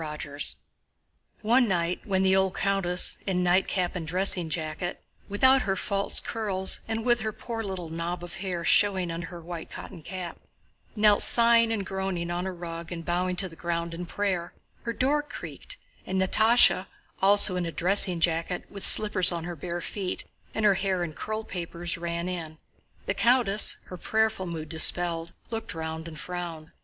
CHAPTER XIII One night when the old countess, in nightcap and dressing jacket, without her false curls, and with her poor little knob of hair showing under her white cotton cap, knelt sighing and groaning on a rug and bowing to the ground in prayer, her door creaked and Natásha, also in a dressing jacket with slippers on her bare feet and her hair in curlpapers, ran in. The countess—her prayerful mood dispelled—looked round and frowned.